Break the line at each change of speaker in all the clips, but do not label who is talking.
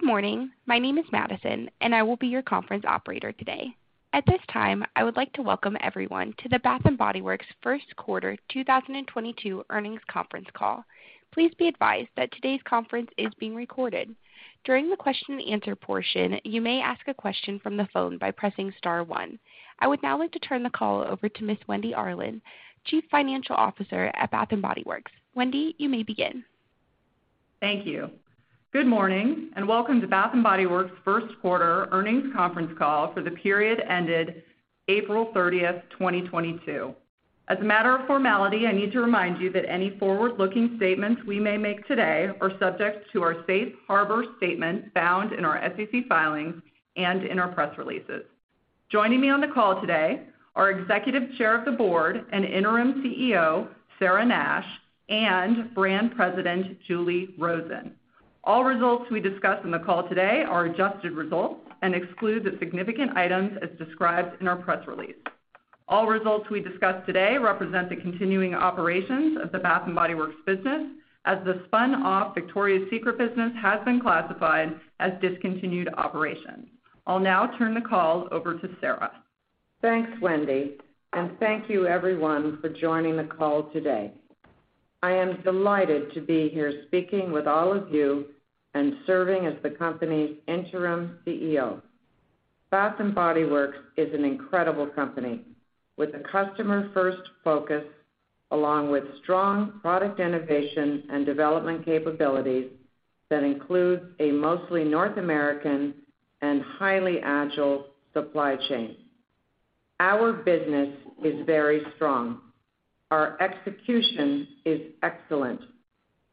Good morning. My name is Madison, and I will be your conference operator today. At this time, I would like to welcome everyone to the Bath & Body Works first quarter 2022 earnings conference call. Please be advised that today's conference is being recorded. During the question and answer portion, you may ask a question from the phone by pressing star one. I would now like to turn the call over to Ms. Wendy Arlin, Chief Financial Officer at Bath & Body Works. Wendy, you may begin.
Thank you. Good morning, and welcome to Bath & Body Works' first quarter earnings conference call for the period ended April 30, 2022. As a matter of formality, I need to remind you that any forward-looking statements we may make today are subject to our safe harbor statement found in our SEC filings and in our press releases. Joining me on the call today are Executive Chair of the Board and Interim CEO, Sarah Nash, and Brand President, Julie Rosen. All results we discuss on the call today are adjusted results and exclude the significant items as described in our press release. All results we discuss today represent the continuing operations of the Bath & Body Works business, as the spun-off Victoria's Secret business has been classified as discontinued operations. I'll now turn the call over to Sarah.
Thanks, Wendy, and thank you everyone for joining the call today. I am delighted to be here speaking with all of you and serving as the company's interim CEO. Bath & Body Works is an incredible company with a customer-first focus, along with strong product innovation and development capabilities that includes a mostly North American and highly agile supply chain. Our business is very strong, our execution is excellent,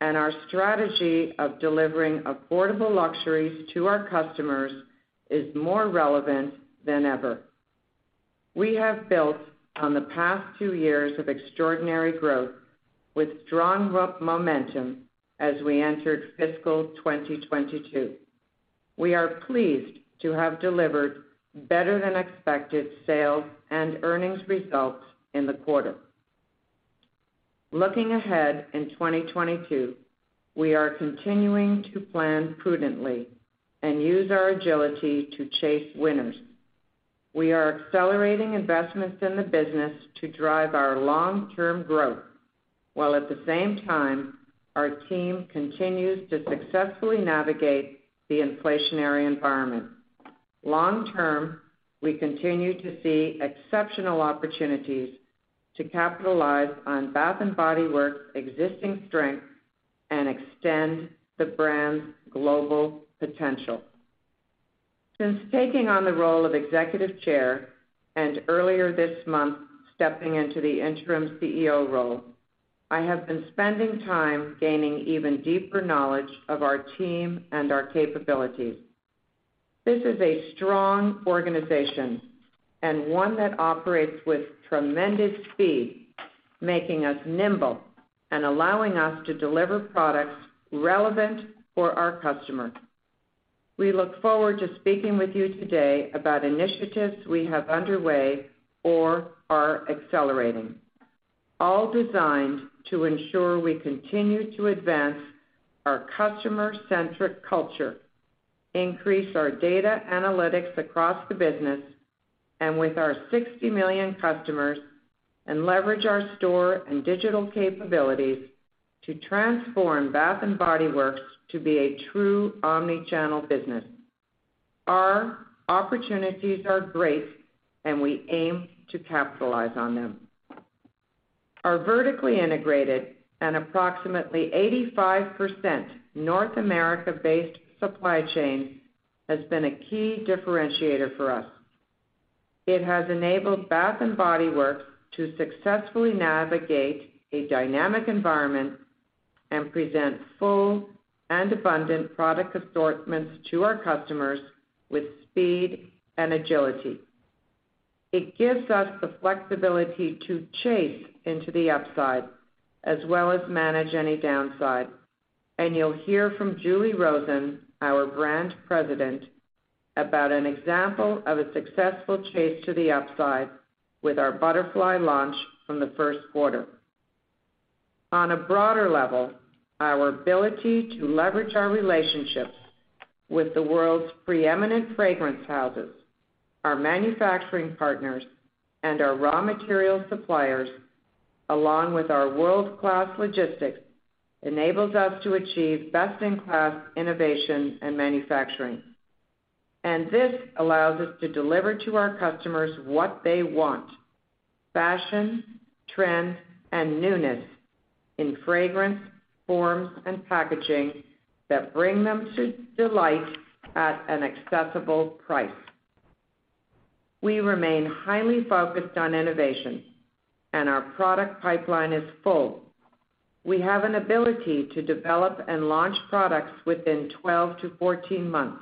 and our strategy of delivering affordable luxuries to our customers is more relevant than ever. We have built on the past two years of extraordinary growth with strong momentum as we entered fiscal 2022. We are pleased to have delivered better than expected sales and earnings results in the quarter. Looking ahead in 2022, we are continuing to plan prudently and use our agility to chase winners. We are accelerating investments in the business to drive our long-term growth, while at the same time, our team continues to successfully navigate the inflationary environment. Long term, we continue to see exceptional opportunities to capitalize on Bath & Body Works' existing strength and extend the brand's global potential. Since taking on the role of executive chair and earlier this month, stepping into the interim CEO role, I have been spending time gaining even deeper knowledge of our team and our capabilities. This is a strong organization and one that operates with tremendous speed, making us nimble and allowing us to deliver products relevant for our customers. We look forward to speaking with you today about initiatives we have underway or are accelerating, all designed to ensure we continue to advance our customer-centric culture, increase our data analytics across the business and with our 60 million customers, and leverage our store and digital capabilities to transform Bath & Body Works to be a true omni-channel business. Our opportunities are great, and we aim to capitalize on them. Our vertically integrated and approximately 85% North America-based supply chain has been a key differentiator for us. It has enabled Bath & Body Works to successfully navigate a dynamic environment and present full and abundant product assortments to our customers with speed and agility. It gives us the flexibility to chase into the upside as well as manage any downside, and you'll hear from Julie Rosen, our Brand President, about an example of a successful chase to the upside with our Butterfly launch from the first quarter. On a broader level, our ability to leverage our relationships with the world's preeminent fragrance houses, our manufacturing partners, and our raw material suppliers, along with our world-class logistics, enables us to achieve best-in-class innovation and manufacturing. This allows us to deliver to our customers what they want, fashion, trend, and newness in fragrance, forms, and packaging that bring them to delight at an accessible price. We remain highly focused on innovation, and our product pipeline is full. We have an ability to develop and launch products within 12-14 months,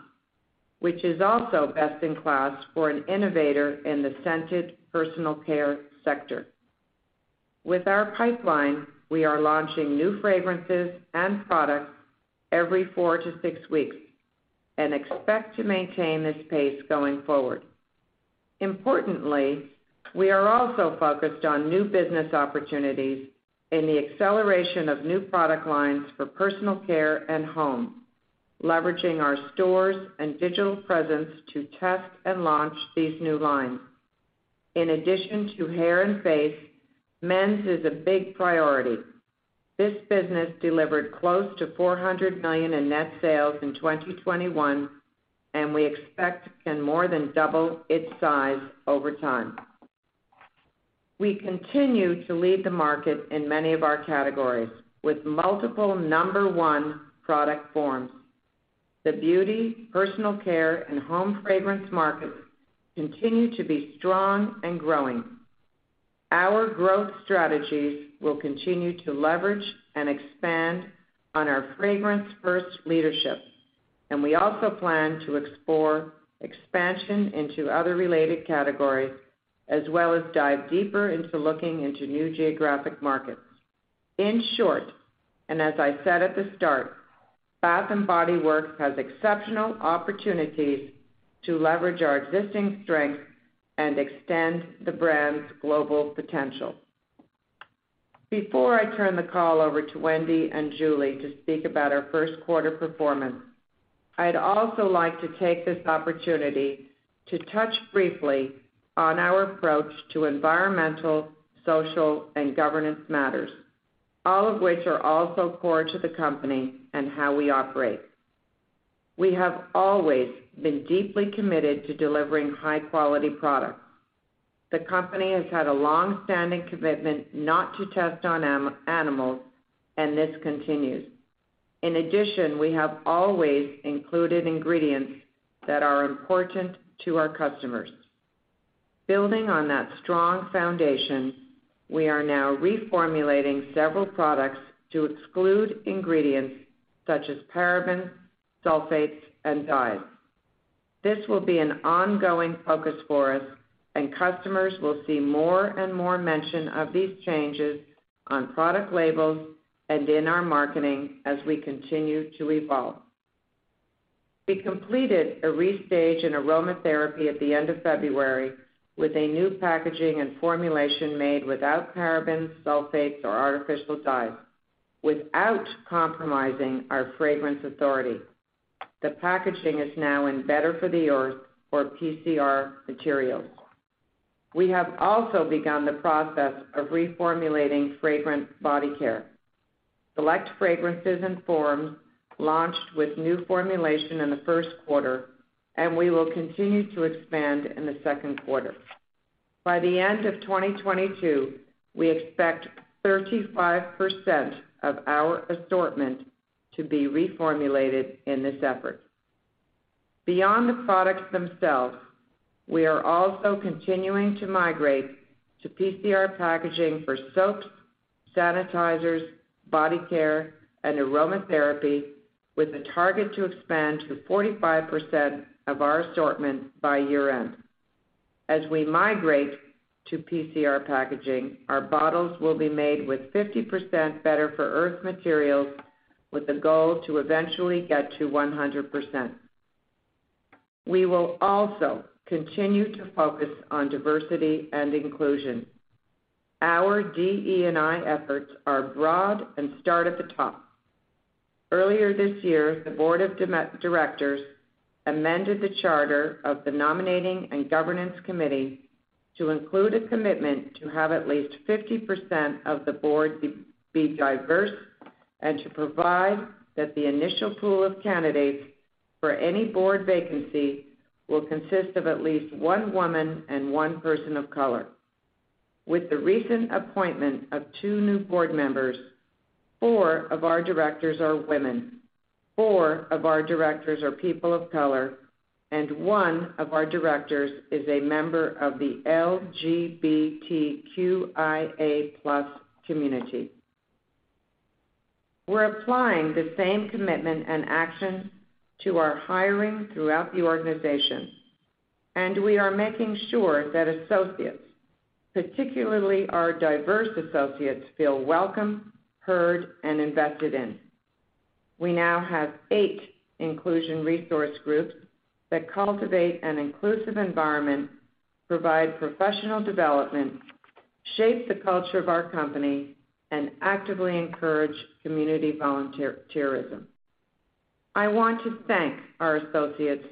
which is also best in class for an innovator in the scented personal care sector. With our pipeline, we are launching new fragrances and products every 4-6 weeks and expect to maintain this pace going forward. Importantly, we are also focused on new business opportunities and the acceleration of new product lines for personal care and home, leveraging our stores and digital presence to test and launch these new lines. In addition to hair and face, men's is a big priority. This business delivered close to $400 million in net sales in 2021, and we expect can more than double its size over time. We continue to lead the market in many of our categories with multiple number one product forms. The beauty, personal care, and home fragrance markets continue to be strong and growing. Our growth strategies will continue to leverage and expand on our fragrance-first leadership, and we also plan to explore expansion into other related categories as well as dive deeper into looking into new geographic markets. In short, and as I said at the start, Bath & Body Works has exceptional opportunities to leverage our existing strength and extend the brand's global potential. Before I turn the call over to Wendy and Julie to speak about our first quarter performance, I'd also like to take this opportunity to touch briefly on our approach to environmental, social, and governance matters, all of which are also core to the company and how we operate. We have always been deeply committed to delivering high-quality products. The company has had a long-standing commitment not to test on animals, and this continues. In addition, we have always included ingredients that are important to our customers. Building on that strong foundation, we are now reformulating several products to exclude ingredients such as parabens, sulfates, and dyes. This will be an ongoing focus for us, and customers will see more and more mention of these changes on product labels and in our marketing as we continue to evolve. We completed a restage in aromatherapy at the end of February with a new packaging and formulation made without parabens, sulfates, or artificial dyes without compromising our fragrance authority. The packaging is now in Better for the Earth or PCR materials. We have also begun the process of reformulating fragrance body care. Select fragrances and forms launched with new formulation in the first quarter, and we will continue to expand in the second quarter. By the end of 2022, we expect 35% of our assortment to be reformulated in this effort. Beyond the products themselves, we are also continuing to migrate to PCR packaging for soaps, sanitizers, body care, and aromatherapy with a target to expand to 45% of our assortment by year-end. As we migrate to PCR packaging, our bottles will be made with 50% Better for Earth materials with a goal to eventually get to 100%. We will also continue to focus on diversity and inclusion. Our DE&I efforts are broad and start at the top. Earlier this year, the board of directors amended the charter of the nominating and governance committee to include a commitment to have at least 50% of the board be diverse and to provide that the initial pool of candidates for any board vacancy will consist of at least one woman and one person of color. With the recent appointment of 2 new board members, 4 of our directors are women, 4 of our directors are people of color, and 1 of our directors is a member of the LGBTQIA+ community. We're applying the same commitment and action to our hiring throughout the organization, and we are making sure that associates, particularly our diverse associates, feel welcome, heard, and invested in. We now have 8 inclusion resource groups that cultivate an inclusive environment, provide professional development, shape the culture of our company, and actively encourage community volunteerism. I want to thank our associates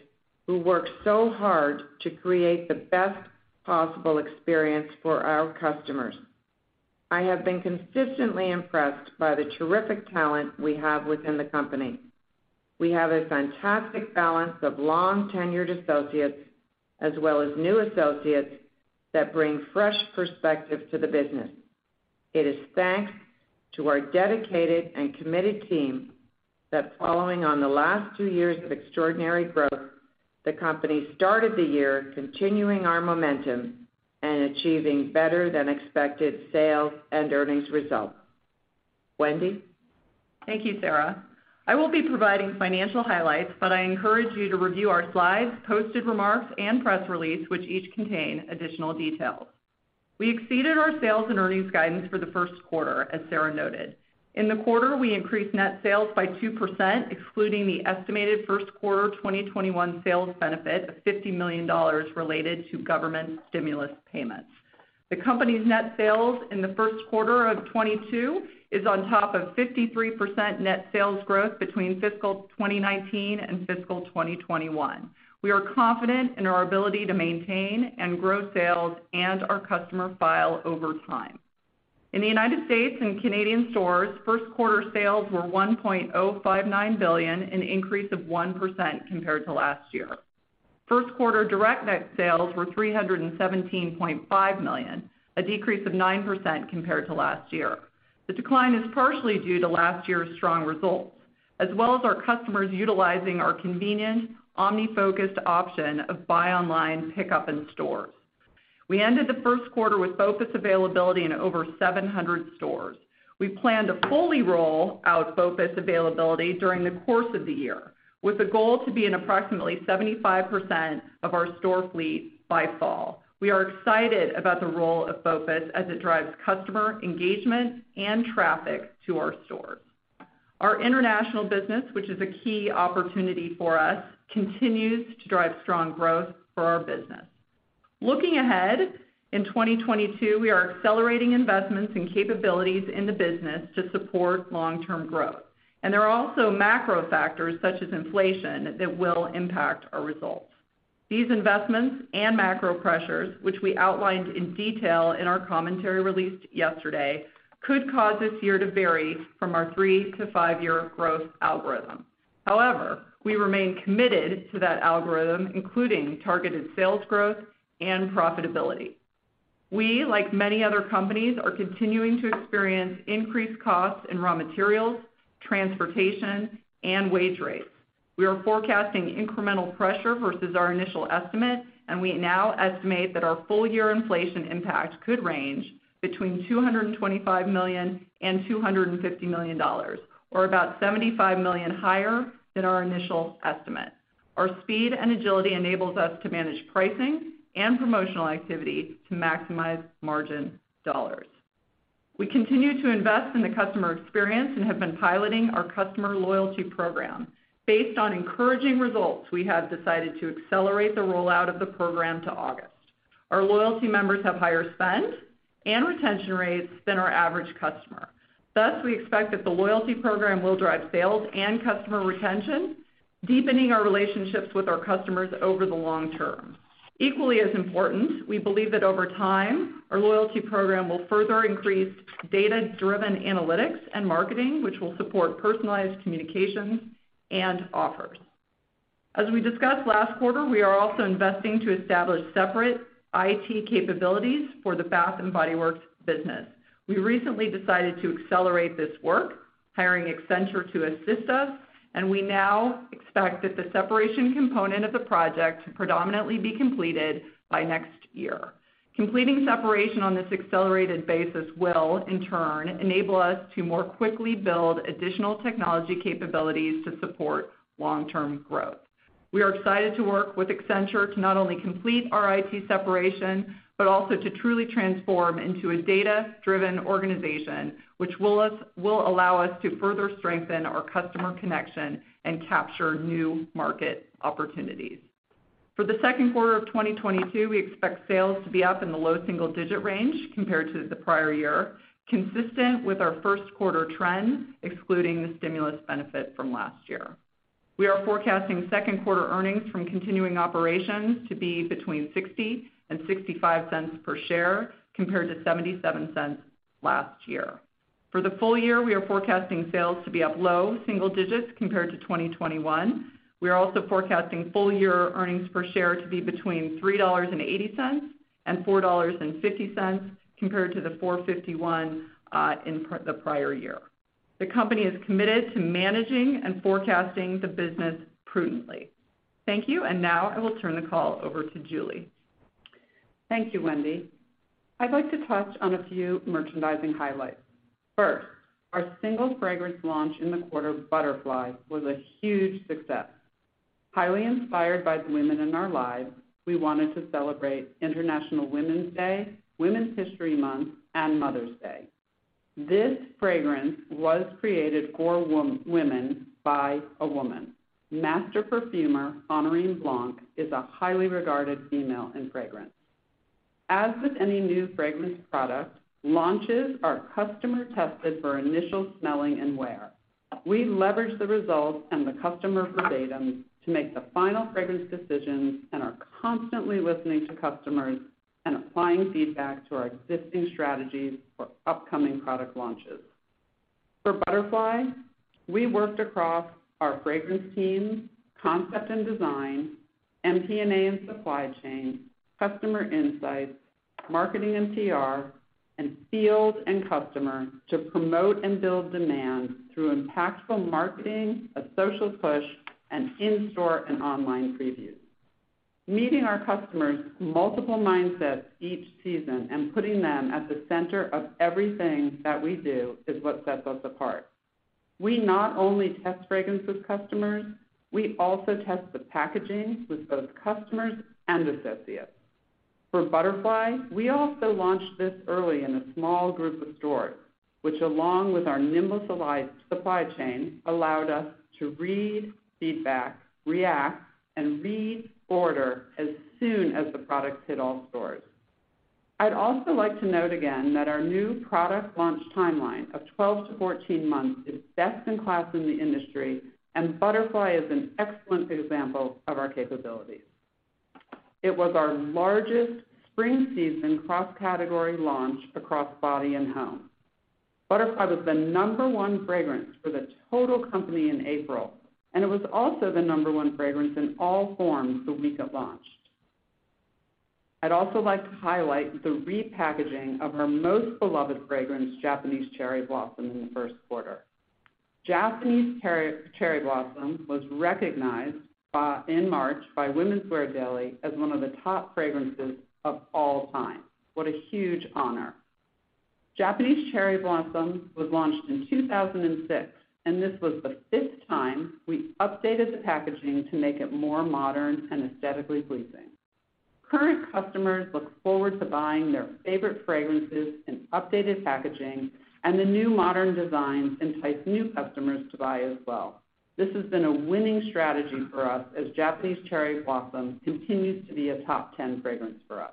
who work so hard to create the best possible experience for our customers. I have been consistently impressed by the terrific talent we have within the company. We have a fantastic balance of long-tenured associates as well as new associates that bring fresh perspective to the business. It is thanks to our dedicated and committed team that following on the last two years of extraordinary growth, the company started the year continuing our momentum and achieving better than expected sales and earnings results. Wendy?
Thank you, Sarah. I will be providing financial highlights, but I encourage you to review our slides, posted remarks, and press release, which each contain additional details. We exceeded our sales and earnings guidance for the first quarter, as Sarah noted. In the quarter, we increased net sales by 2%, excluding the estimated first quarter 2021 sales benefit of $50 million related to government stimulus payments. The company's net sales in the first quarter of 2022 is on top of 53% net sales growth between fiscal 2019 and fiscal 2021. We are confident in our ability to maintain and grow sales and our customer file over time. In the United States and Canadian stores, first quarter sales were $1.059 billion, an increase of 1% compared to last year. First quarter direct net sales were $317.5 million, a decrease of 9% compared to last year. The decline is partially due to last year's strong results, as well as our customers utilizing our convenient omni-focused option of buy online, pickup in stores. We ended the first quarter with BOPIS availability in over 700 stores. We plan to fully roll out BOPIS availability during the course of the year, with the goal to be in approximately 75% of our store fleet by fall. We are excited about the role of BOPIS as it drives customer engagement and traffic to our stores. Our international business, which is a key opportunity for us, continues to drive strong growth for our business. Looking ahead, in 2022, we are accelerating investments and capabilities in the business to support long-term growth. There are also macro factors, such as inflation, that will impact our results. These investments and macro pressures, which we outlined in detail in our commentary released yesterday, could cause this year to vary from our 3- to 5-year growth algorithm. However, we remain committed to that algorithm, including targeted sales growth and profitability. We, like many other companies, are continuing to experience increased costs in raw materials, transportation, and wage rates. We are forecasting incremental pressure versus our initial estimate, and we now estimate that our full-year inflation impact could range between $225 million and $250 million, or about $75 million higher than our initial estimate. Our speed and agility enables us to manage pricing and promotional activity to maximize margin dollars. We continue to invest in the customer experience and have been piloting our customer loyalty program. Based on encouraging results, we have decided to accelerate the rollout of the program to August. Our loyalty members have higher spend and retention rates than our average customer. Thus, we expect that the loyalty program will drive sales and customer retention, deepening our relationships with our customers over the long term. Equally as important, we believe that over time, our loyalty program will further increase data-driven analytics and marketing, which will support personalized communications and offers. As we discussed last quarter, we are also investing to establish separate IT capabilities for the Bath & Body Works business. We recently decided to accelerate this work, hiring Accenture to assist us, and we now expect that the separation component of the project to predominantly be completed by next year. Completing separation on this accelerated basis will, in turn, enable us to more quickly build additional technology capabilities to support long-term growth. We are excited to work with Accenture to not only complete our IT separation, but also to truly transform into a data-driven organization, which will allow us to further strengthen our customer connection and capture new market opportunities. For the second quarter of 2022, we expect sales to be up in the low single-digit range compared to the prior year, consistent with our first quarter trend, excluding the stimulus benefit from last year. We are forecasting second quarter earnings from continuing operations to be between $0.60 and $0.65 per share, compared to $0.77 last year. For the full year, we are forecasting sales to be up low single digits compared to 2021. We are also forecasting full-year earnings per share to be between $3.80 and $4.50, compared to $4.51 the prior year. The company is committed to managing and forecasting the business prudently. Thank you. Now I will turn the call over to Julie.
Thank you, Wendy. I'd like to touch on a few merchandising highlights. First, our single fragrance launch in the quarter, Butterfly, was a huge success. Highly inspired by the women in our lives, we wanted to celebrate International Women's Day, Women's History Month, and Mother's Day. This fragrance was created for women by a woman. Master Perfumer, Honorine Blanc, is a highly regarded female in fragrance. As with any new fragrance product, launches are customer-tested for initial smelling and wear. We leverage the results and the customer verbatim to make the final fragrance decisions and are constantly listening to customers and applying feedback to our existing strategies for upcoming product launches. For Butterfly, we worked across our fragrance team, concept and design, MP&A and supply chain, customer insights, marketing and TR, and field and customer to promote and build demand through impactful marketing, a social push, and in-store and online previews. Meeting our customers' multiple mindsets each season and putting them at the center of everything that we do is what sets us apart. We not only test fragrances with customers, we also test the packaging with both customers and associates. For Butterfly, we also launched this early in a small group of stores, which along with our nimble supply chain, allowed us to read feedback, react, and reorder as soon as the product hit all stores. I'd also like to note again that our new product launch timeline of 12-14 months is best in class in the industry, and Butterfly is an excellent example of our capabilities. It was our largest spring season cross-category launch across body and home. Butterfly was the number one fragrance for the total company in April, and it was also the number one fragrance in all forms the week it launched. I'd also like to highlight the repackaging of our most beloved fragrance, Japanese Cherry Blossom, in the first quarter. Japanese Cherry Blossom was recognized in March by Women's Wear Daily as one of the top fragrances of all time. What a huge honor. Japanese Cherry Blossom was launched in 2006, and this was the fifth time we updated the packaging to make it more modern and aesthetically pleasing. Current customers look forward to buying their favorite fragrances in updated packaging, and the new modern designs entice new customers to buy as well. This has been a winning strategy for us as Japanese Cherry Blossom continues to be a top ten fragrance for us.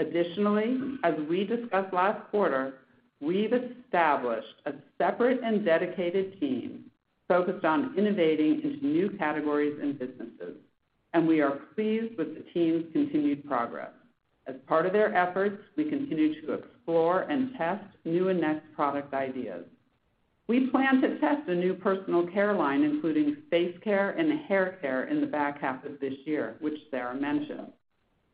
Additionally, as we discussed last quarter, we've established a separate and dedicated team focused on innovating into new categories and businesses, and we are pleased with the team's continued progress. As part of their efforts, we continue to explore and test new and next product ideas. We plan to test a new personal care line, including face care and hair care, in the back half of this year, which Sarah mentioned.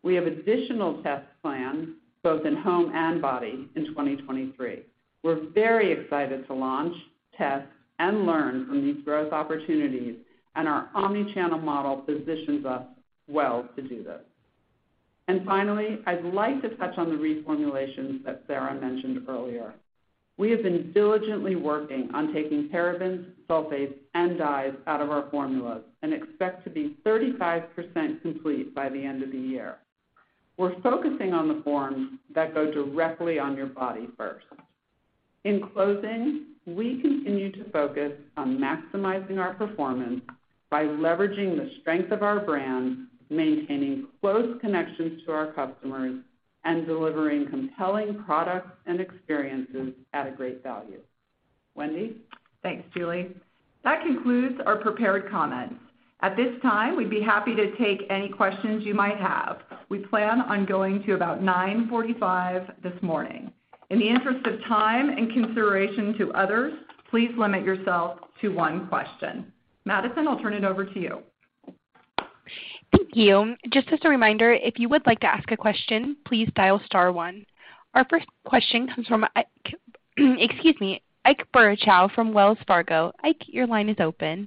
We have additional tests planned both in home and body in 2023. We're very excited to launch, test, and learn from these growth opportunities, and our omni-channel model positions us well to do this. Finally, I'd like to touch on the reformulations that Sarah mentioned earlier. We have been diligently working on taking parabens, sulfates, and dyes out of our formulas and expect to be 35% complete by the end of the year. We're focusing on the forms that go directly on your body first. In closing, we continue to focus on maximizing our performance by leveraging the strength of our brands, maintaining close connections to our customers, and delivering compelling products and experiences at a great value. Wendy?
Thanks, Julie. That concludes our prepared comments. At this time, we'd be happy to take any questions you might have. We plan on going to about 9:45 A.M. this morning. In the interest of time and consideration to others, please limit yourself to one question. Madison, I'll turn it over to you.
Thank you. Just as a reminder, if you would like to ask a question, please dial star one. Our first question comes from Ike Boruchow from Wells Fargo. Ike, your line is open.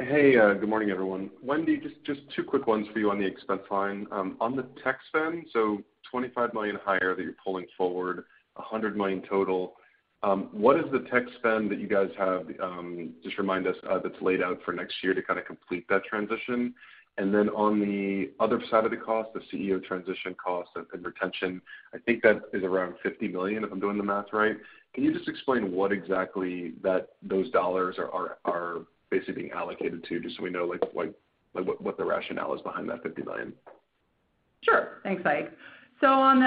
Hey, good morning, everyone. Wendy, just two quick ones for you on the expense line. On the tech spend, so $25 million higher that you're pulling forward, $100 million total. What is the tech spend that you guys have, just remind us, that's laid out for next year to kind of complete that transition? Then on the other side of the cost, the CEO transition cost and retention, I think that is around $50 million, if I'm doing the math right. Can you just explain what exactly those dollars are basically being allocated to, just so we know, like what the rationale is behind that $50 million?
Sure. Thanks, Ike. On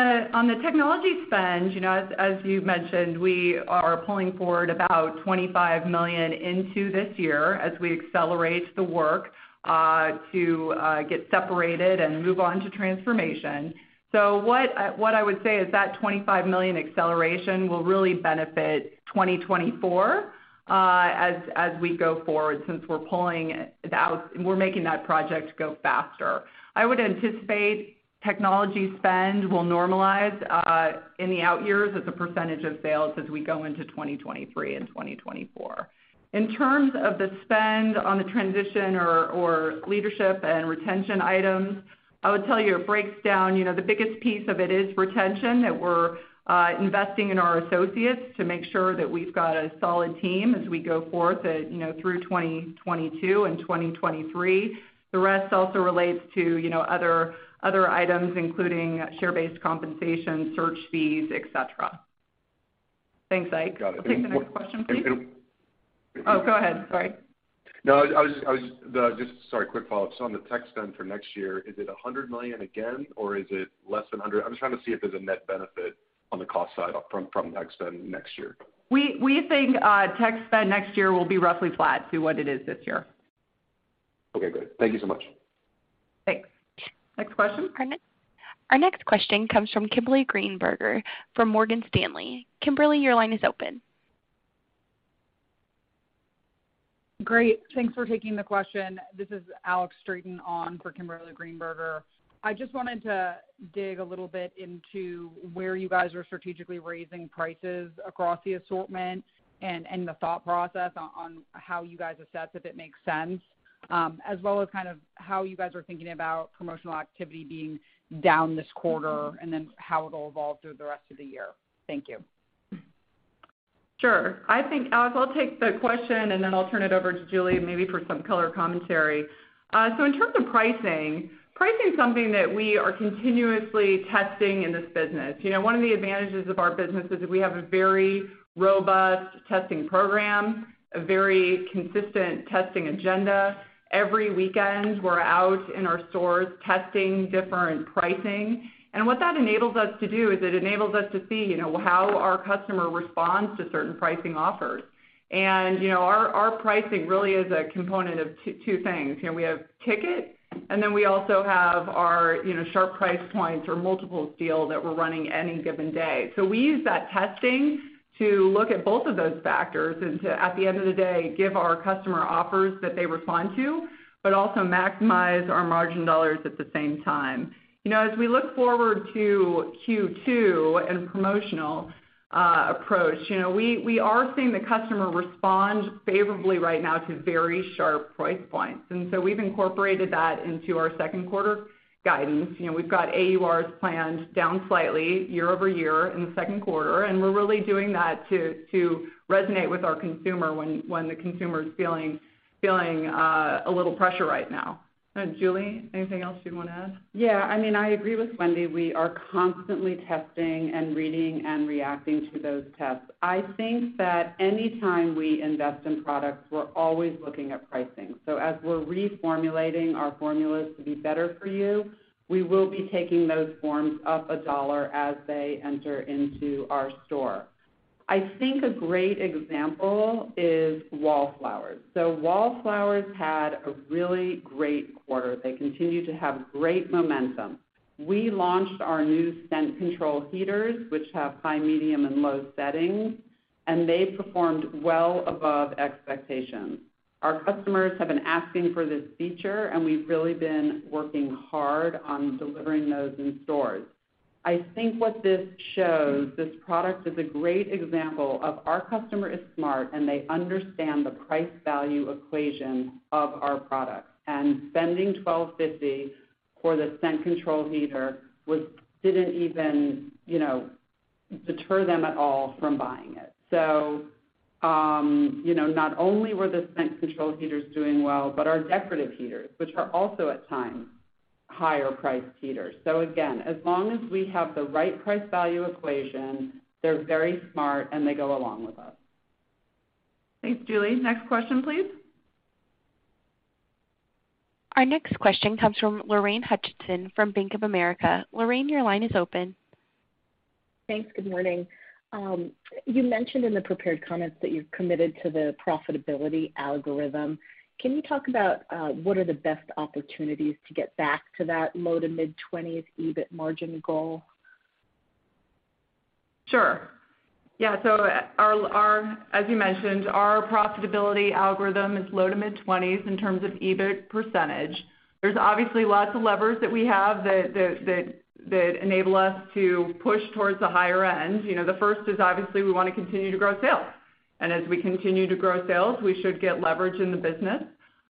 the technology spend, you know, as you mentioned, we are pulling forward about $25 million into this year as we accelerate the work to get separated and move on to transformation. What I would say is that $25 million acceleration will really benefit 2024, as we go forward since we're pulling that. We're making that project go faster. I would anticipate technology spend will normalize in the out years as a % of sales as we go into 2023 and 2024. In terms of the spend on the transition or leadership and retention items, I would tell you it breaks down. You know, the biggest piece of it is retention, that we're investing in our associates to make sure that we've got a solid team as we go forth, you know, through 2022 and 2023. The rest also relates to, you know, other items including share-based compensation, search fees, et cetera. Thanks, Ike.
Got it.
Okay, the next question, please.
And, and-
Oh, go ahead. Sorry.
No, just sorry, quick follow-up. On the tech spend for next year, is it $100 million again, or is it less than $100 million? I'm just trying to see if there's a net benefit on the cost side from tech spend next year.
We think tech spend next year will be roughly flat to what it is this year.
Okay, good. Thank you so much.
Thanks. Next question?
Our next question comes from Kimberly Greenberger from Morgan Stanley. Kimberly, your line is open.
Great. Thanks for taking the question. This is Alexandra Straton on for Kimberly Greenberger. I just wanted to dig a little bit into where you guys are strategically raising prices across the assortment and the thought process on how you guys assess if it makes sense, as well as kind of how you guys are thinking about promotional activity being down this quarter and then how it'll evolve through the rest of the year. Thank you.
Sure. I think, Alex, I'll take the question, and then I'll turn it over to Julie maybe for some color commentary. In terms of pricing is something that we are continuously testing in this business. You know, one of the advantages of our business is that we have a very robust testing program, a very consistent testing agenda. Every weekend, we're out in our stores testing different pricing. What that enables us to do is it enables us to see, you know, how our customer responds to certain pricing offers. You know, our pricing really is a component of two things. You know, we have ticket, and then we also have our, you know, sharp price points or multiples deal that we're running any given day. We use that testing to look at both of those factors and to, at the end of the day, give our customer offers that they respond to, but also maximize our margin dollars at the same time. You know, as we look forward to Q2 and promotional approach, you know, we are seeing the customer respond favorably right now to very sharp price points. We've incorporated that into our second quarter guidance. You know, we've got AURs planned down slightly year-over-year in the second quarter, and we're really doing that to resonate with our consumer when the consumer is feeling a little pressure right now. Julie, anything else you'd want to add?
Yeah. I mean, I agree with Wendy. We are constantly testing and reading and reacting to those tests. I think that any time we invest in products, we're always looking at pricing. As we're reformulating our formulas to be better for you, we will be taking those prices up $1 as they enter into our store. I think a great example is Wallflowers. Wallflowers had a really great quarter. They continue to have great momentum. We launched our new Scent Control heaters, which have high, medium, and low settings, and they performed well above expectations. Our customers have been asking for this feature, and we've really been working hard on delivering those in stores. I think what this shows, this product is a great example of our customer is smart, and they understand the price value equation of our product. Spending $12.50 for the Scent Control heater didn't even, you know, deter them at all from buying it. You know, not only were the Scent Control heaters doing well, but our decorative heaters, which are also at times higher priced heaters. Again, as long as we have the right price value equation, they're very smart, and they go along with us.
Thanks, Julie. Next question, please.
Our next question comes from Lorraine Hutchinson from Bank of America. Lorraine, your line is open.
Thanks. Good morning. You mentioned in the prepared comments that you're committed to the profitability algorithm. Can you talk about what are the best opportunities to get back to that low- to mid-20s% EBIT margin goal?
Sure. Yeah, as you mentioned, our profitability algorithm is low- to mid-20s in terms of EBIT %. There's obviously lots of levers that we have that enable us to push towards the higher end. You know, the first is obviously we wanna continue to grow sales. As we continue to grow sales, we should get leverage in the business,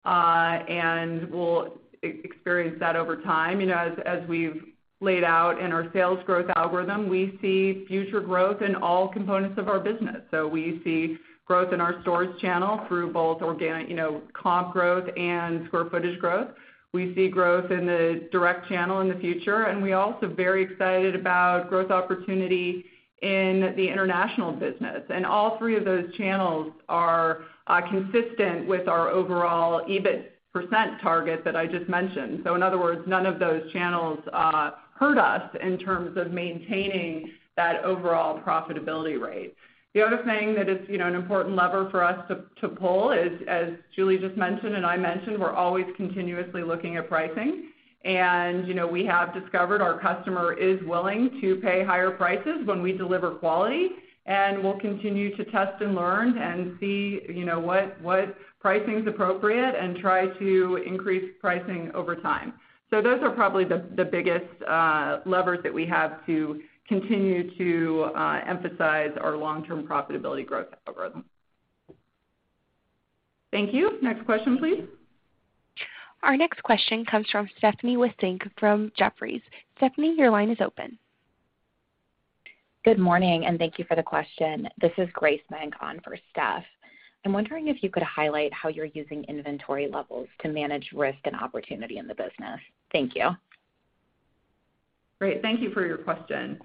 and we'll experience that over time. You know, as we've laid out in our sales growth algorithm, we see future growth in all components of our business. We see growth in our stores channel through both organic, you know, comp growth and square footage growth. We see growth in the direct channel in the future, and we're also very excited about growth opportunity in the international business. All three of those channels are consistent with our overall EBIT % target that I just mentioned. In other words, none of those channels hurt us in terms of maintaining that overall profitability rate. The other thing that is, you know, an important lever for us to pull is, as Julie just mentioned and I mentioned, we're always continuously looking at pricing. You know, we have discovered our customer is willing to pay higher prices when we deliver quality, and we'll continue to test and learn and see, you know, what pricing is appropriate and try to increase pricing over time. Those are probably the biggest levers that we have to continue to emphasize our long-term profitability growth algorithm. Thank you. Next question, please.
Our next question comes from Stephanie Wissink from Jefferies. Stephanie, your line is open.
Good morning, and thank you for the question. This is Grace Menk for Steph. I'm wondering if you could highlight how you're using inventory levels to manage risk and opportunity in the business. Thank you.
Great. Thank you for your question.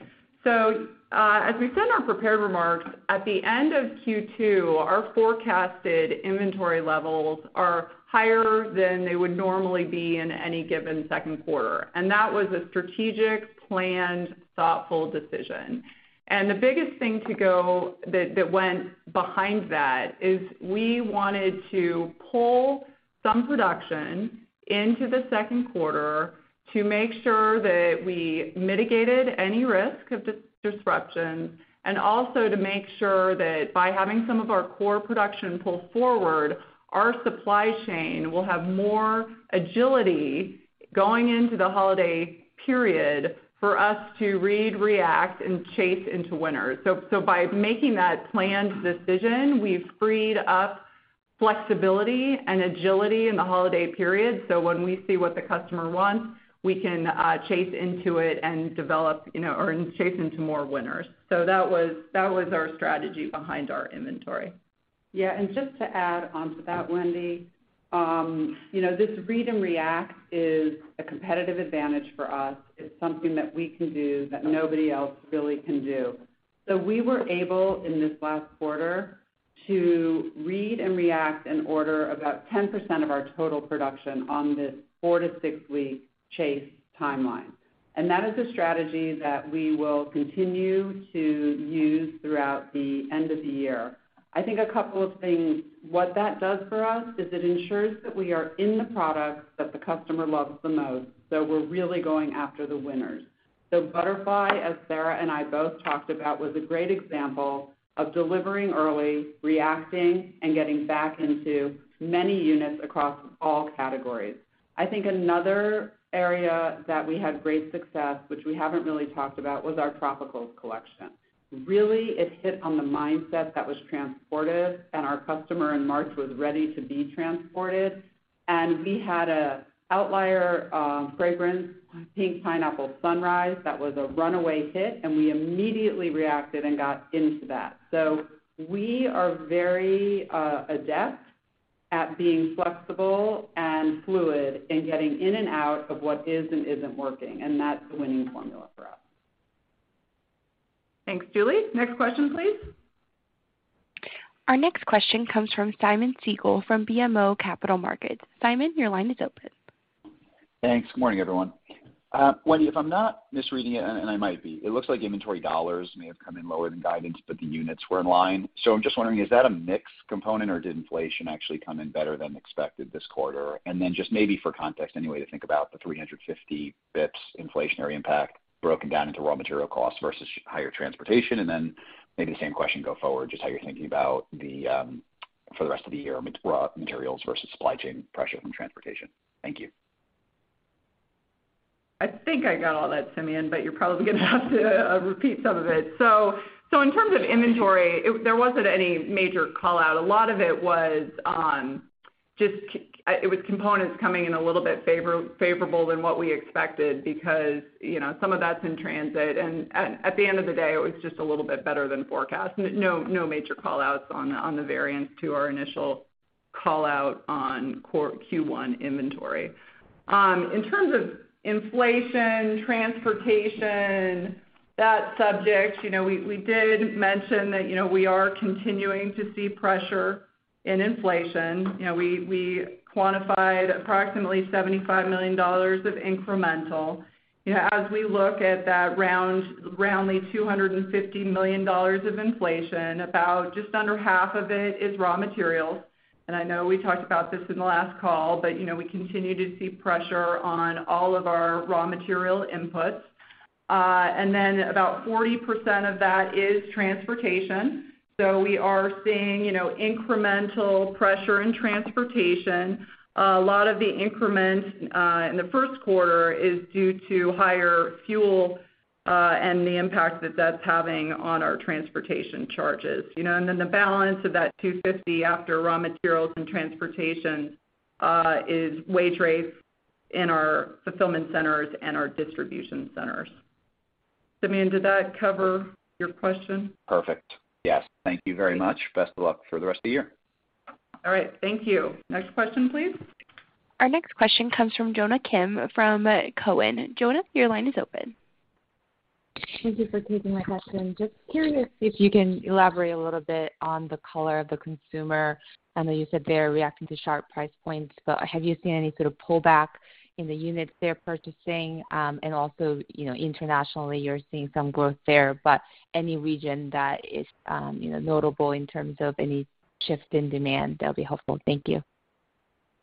As we said in our prepared remarks, at the end of Q2, our forecasted inventory levels are higher than they would normally be in any given second quarter. That was a strategic, planned, thoughtful decision. The biggest thing that went behind that is we wanted to pull some production into the second quarter to make sure that we mitigated any risk of disruption and also to make sure that by having some of our core production pull forward, our supply chain will have more agility going into the holiday period for us to read, react, and chase into winter. By making that planned decision, we've freed up flexibility and agility in the holiday period. When we see what the customer wants, we can chase into it and develop, you know, or chase into more winners. That was our strategy behind our inventory.
Just to add onto that, Wendy, you know, this read and react is a competitive advantage for us. It's something that we can do that nobody else really can do. We were able, in this last quarter, to read and react and order about 10% of our total production on this 4- to 6-week chase timeline. That is a strategy that we will continue to use throughout the end of the year. I think a couple of things, what that does for us is it ensures that we are in the products that the customer loves the most, so we're really going after the winners. Butterfly, as Sarah and I both talked about, was a great example of delivering early, reacting, and getting back into many units across all categories. I think another area that we had great success, which we haven't really talked about, was our Tropicals collection. Really, it hit on the mindset that was transportive, and our customer in March was ready to be transported. We had a outlier, fragrance, Pink Pineapple Sunrise, that was a runaway hit, and we immediately reacted and got into that. We are very, adept at being flexible and fluid in getting in and out of what is and isn't working, and that's a winning formula for us.
Thanks, Julie. Next question, please.
Our next question comes from Simeon Siegel from BMO Capital Markets. Simeon, your line is open.
Thanks. Good morning, everyone. Wendy, if I'm not misreading it, and I might be, it looks like inventory dollars may have come in lower than guidance, but the units were in line. I'm just wondering, is that a mix component, or did inflation actually come in better than expected this quarter? Just maybe for context anyway to think about the 350 basis points inflationary impact broken down into raw material costs versus higher transportation. Maybe the same question go forward, just how you're thinking about the for the rest of the year, raw materials versus supply chain pressure from transportation. Thank you.
I think I got all that, Simeon, but you're probably gonna have to repeat some of it. In terms of inventory, there wasn't any major call-out. A lot of it was on just components coming in a little bit favorable than what we expected because, you know, some of that's in transit. At the end of the day, it was just a little bit better than forecast. No major call-outs on the variance to our initial call-out on Q1 inventory. In terms of inflation, transportation, that subject, you know, we did mention that, you know, we are continuing to see pressure in inflation. You know, we quantified approximately $75 million of incremental. You know, as we look at that, roundly $250 million of inflation, about just under half of it is raw materials. I know we talked about this in the last call, but, you know, we continue to see pressure on all of our raw material inputs. And then about 40% of that is transportation. We are seeing, you know, incremental pressure in transportation. A lot of the increment in the first quarter is due to higher fuel and the impact that that's having on our transportation charges. You know, and then the balance of that 250 after raw materials and transportation is wage rates in our fulfillment centers and our distribution centers. Simeon, did that cover your question?
Perfect. Yes. Thank you very much. Best of luck for the rest of the year.
All right. Thank you. Next question, please.
Our next question comes from Jonna Kim from Cowen. Jonna, your line is open.
Thank you for taking my question. Just curious if you can elaborate a little bit on the color of the consumer. I know you said they are reacting to sharp price points, but have you seen any sort of pullback in the units they're purchasing? Also, you know, internationally, you're seeing some growth there, but any region that is, you know, notable in terms of any shift in demand, that'll be helpful. Thank you.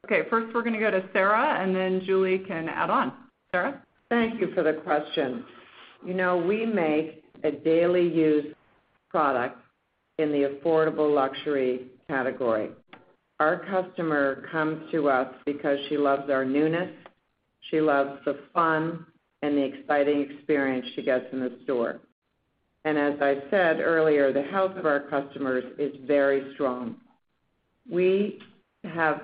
Okay. First, we're gonna go to Sarah, and then Julie can add on. Sarah?
Thank you for the question. You know, we make a daily use product in the affordable luxury category. Our customer comes to us because she loves our newness, she loves the fun and the exciting experience she gets in the store. As I said earlier, the health of our customers is very strong. We have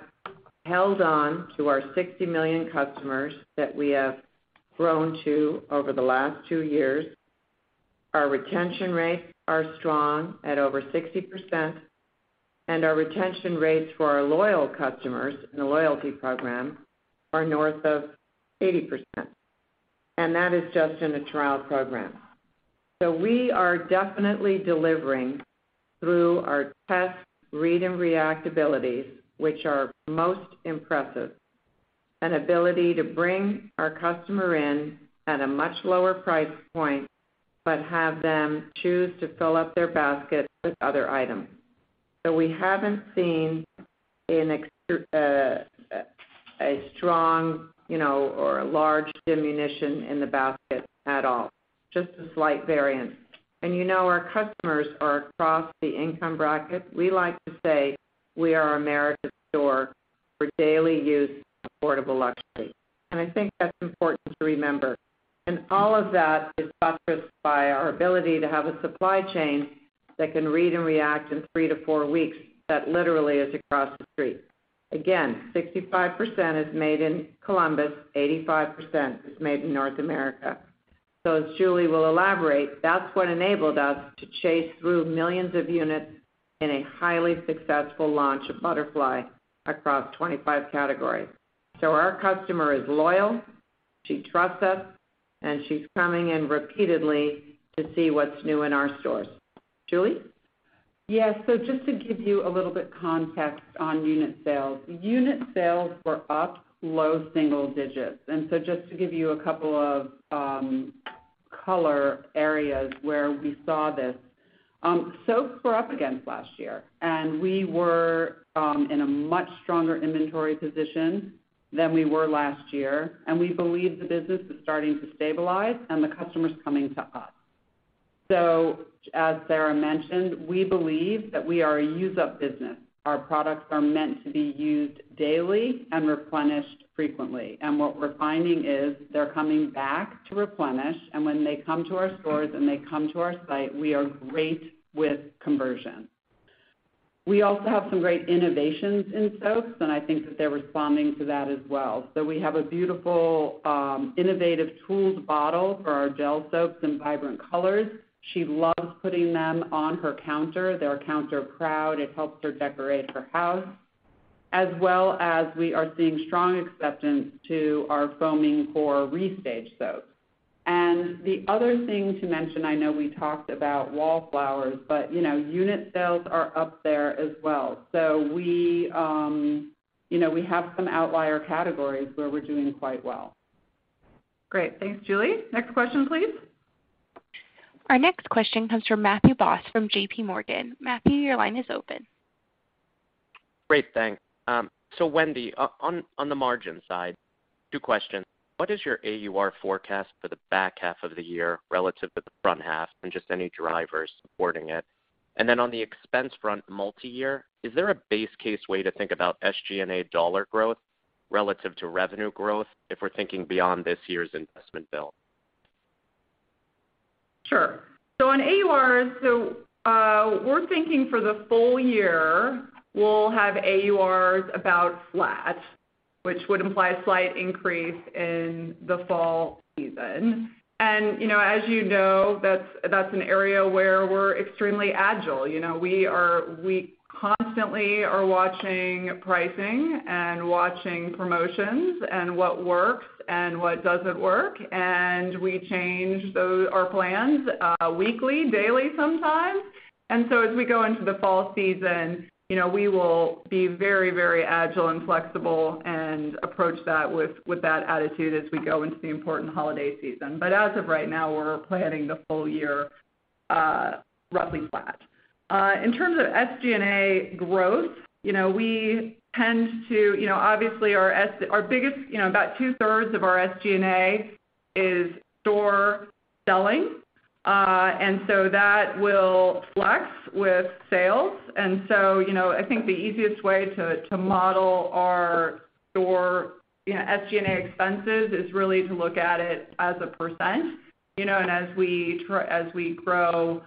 held on to our 60 million customers that we have grown to over the last two years. Our retention rates are strong at over 60%, and our retention rates for our loyal customers in the loyalty program are north of 80%. That is just in the trial program. We are definitely delivering through our test, read, and react abilities, which are most impressive, an ability to bring our customer in at a much lower price point, but have them choose to fill up their basket with other items.
We haven't seen a strong, you know, or a large diminution in the basket at all, just a slight variance. Our customers are across the income bracket. We like to say we are America's store.
For daily use, affordable luxury. I think that's important to remember. All of that is buttressed by our ability to have a supply chain that can read and react in 3-4 weeks that literally is across the street. Again, 65% is made in Columbus, 85% is made in North America. As Julie will elaborate, that's what enabled us to chase through millions of units in a highly successful launch of Butterfly across 25 categories. Our customer is loyal, she trusts us, and she's coming in repeatedly to see what's new in our stores. Julie?
Yes. Just to give you a little bit context on unit sales. Unit sales were up low single digits%. Just to give you a couple of color areas where we saw this, soaps were up against last year, and we were in a much stronger inventory position than we were last year. We believe the business is starting to stabilize and the customers are coming to us. As Sarah mentioned, we believe that we are a use-up business. Our products are meant to be used daily and replenished frequently. What we're finding is they're coming back to replenish. When they come to our stores and they come to our site, we are great with conversion. We also have some great innovations in soaps, and I think that they're responding to that as well. We have a beautiful, innovative tooled bottle for our gel soaps in vibrant colors. She loves putting them on her counter. They're counter proud. It helps her decorate her house. As well as we are seeing strong acceptance to our foaming core restage soaps. The other thing to mention, I know we talked about Wallflowers, but, you know, unit sales are up there as well. We, you know, we have some outlier categories where we're doing quite well.
Great. Thanks, Julie. Next question, please.
Our next question comes from Matthew Boss from JPMorgan. Matthew, your line is open.
Great, thanks. Wendy, on the margin side, two questions. What is your AUR forecast for the back half of the year relative to the front half and just any drivers supporting it? On the expense front multiyear, is there a base case way to think about SG&A dollar growth relative to revenue growth if we're thinking beyond this year's investment build?
Sure. On AURs, we're thinking for the full year we'll have AURs about flat, which would imply slight increase in the fall season. You know, as you know, that's an area where we're extremely agile. You know, we constantly are watching pricing and watching promotions and what works and what doesn't work, and we change our plans weekly, daily sometimes. As we go into the fall season, you know, we will be very agile and flexible and approach that with that attitude as we go into the important holiday season. As of right now, we're planning the full year roughly flat. In terms of SG&A growth, you know, we tend to. You know, obviously our biggest, you know, about two-thirds of our SG&A is store selling. that will flex with sales. You know, I think the easiest way to model our store, you know, SG&A expenses is really to look at it as a percent, you know, and as we grow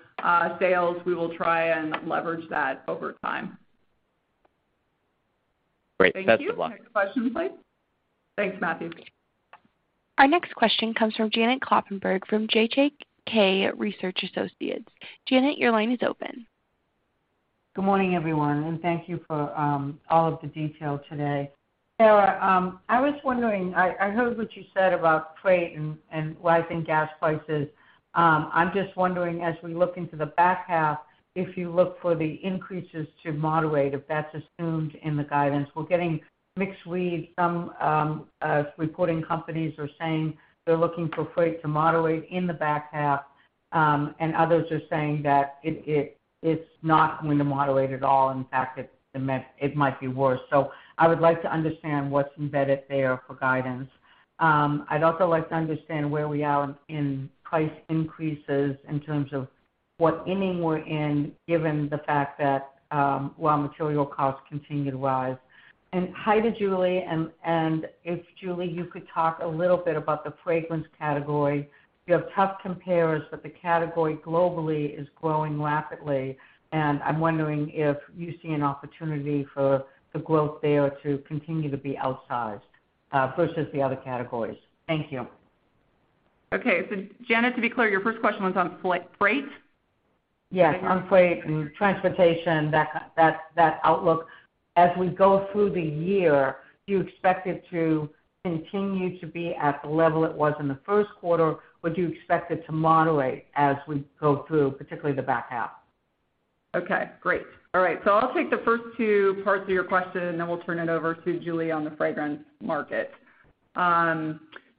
sales, we will try and leverage that over time.
Great. Best of luck.
Thank you. Next question, please. Thanks, Matthew.
Our next question comes from Janet Kloppenburg from JJK Research. Janet, your line is open.
Good morning, everyone, and thank you for all of the detail today. Sarah, I was wondering, I heard what you said about freight and rising gas prices. I'm just wondering, as we look into the back half, if you look for the increases to moderate, if that's assumed in the guidance. We're getting mixed reads. Some reporting companies are saying they're looking for freight to moderate in the back half, and others are saying that it's not going to moderate at all. In fact, it might be worse. I would like to understand what's embedded there for guidance. I'd also like to understand where we are in price increases in terms of what inning we're in, given the fact that raw material costs continue to rise. Hi to Julie. If, Julie, you could talk a little bit about the fragrance category. You have tough compares, but the category globally is growing rapidly, and I'm wondering if you see an opportunity for the growth there to continue to be outsized, versus the other categories. Thank you.
Okay. Janet, to be clear, your first question was on freight?
Yes. On freight and transportation, that outlook. As we go through the year, do you expect it to continue to be at the level it was in the first quarter? Would you expect it to moderate as we go through, particularly the back half?
Okay. Great. All right. I'll take the first two parts of your question, and then we'll turn it over to Julie on the fragrance market.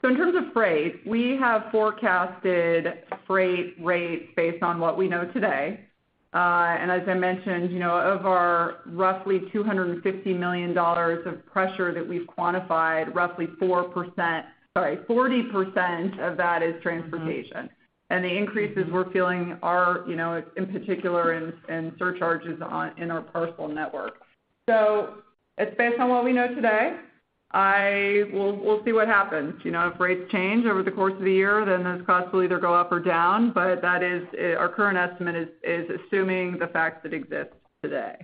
In terms of freight, we have forecasted freight rates based on what we know today. As I mentioned, you know, of our roughly $250 million of pressure that we've quantified, roughly 40% of that is transportation. The increases we're feeling are, you know, in particular in surcharges on in our parcel network. It's based on what we know today. We'll see what happens. You know, if rates change over the course of the year, then those costs will either go up or down. That is our current estimate assuming the facts that exist today.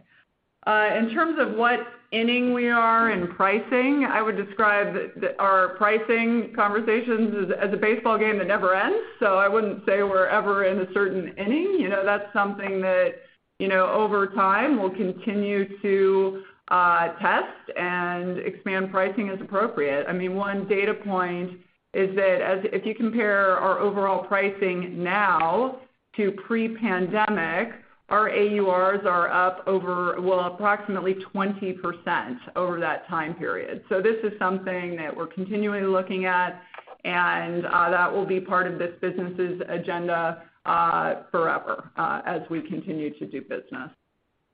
In terms of what inning we are in pricing, I would describe our pricing conversations as a baseball game that never ends. I wouldn't say we're ever in a certain inning. You know, that's something that, you know, over time, we'll continue to test and expand pricing as appropriate. I mean, one data point is that if you compare our overall pricing now to pre-pandemic, our AURs are up over, well, approximately 20% over that time period. This is something that we're continually looking at, and that will be part of this business' agenda forever, as we continue to do business.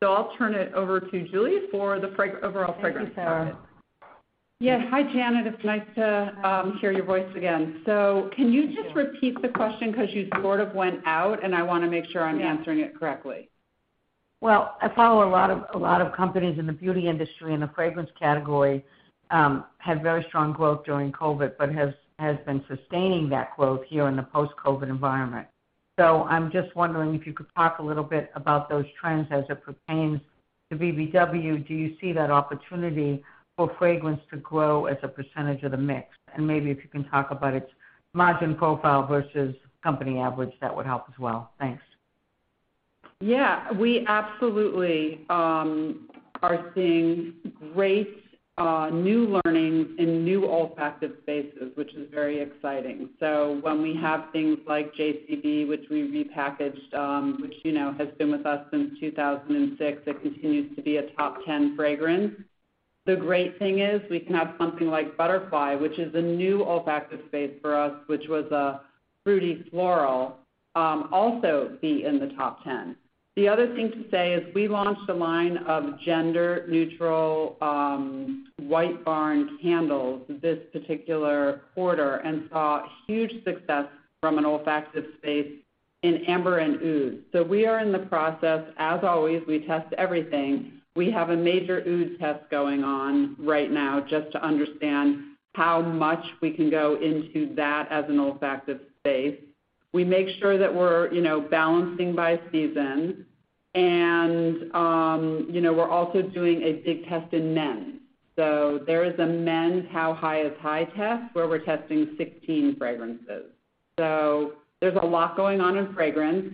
I'll turn it over to Julie for the overall fragrance part.
Thank you, Sarah. Yes. Hi, Janet. It's nice to hear your voice again. Can you just repeat the question? 'Cause you sort of went out, and I wanna make sure I'm answering it correctly.
Well, I follow a lot of companies in the beauty industry and the fragrance category had very strong growth during COVID, but has been sustaining that growth here in the post-COVID environment. I'm just wondering if you could talk a little bit about those trends as it pertains to BBW. Do you see that opportunity for fragrance to grow as a percentage of the mix? Maybe if you can talk about its margin profile versus company average, that would help as well. Thanks.
Yeah. We absolutely are seeing great new learnings in new olfactive spaces, which is very exciting. When we have things like JCB, which we repackaged, you know, has been with us since 2006, it continues to be a top 10 fragrance. The great thing is we can have something like Butterfly, which is a new olfactive space for us, which was a fruity floral, also be in the top 10. The other thing to say is we launched a line of gender-neutral White Barn candles this particular quarter and saw huge success from an olfactive space in amber and oud. We are in the process. As always, we test everything. We have a major oud test going on right now just to understand how much we can go into that as an olfactive space. We make sure that we're, you know, balancing by season, and, you know, we're also doing a big test in men's. There is a men's How High is High test where we're testing 16 fragrances. There's a lot going on in fragrance.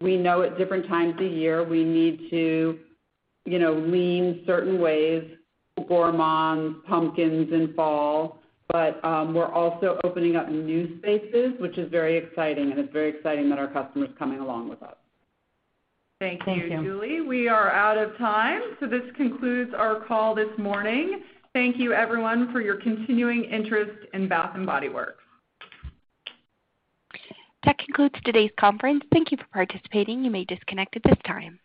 We know at different times of year, we need to, you know, lean certain ways, gourmands, pumpkins in fall. We're also opening up new spaces, which is very exciting, and it's very exciting that our customers are coming along with us.
Thank you.
Thank you, Julie. We are out of time, so this concludes our call this morning. Thank you, everyone, for your continuing interest in Bath & Body Works.
That concludes today's conference. Thank you for participating. You may disconnect at this time.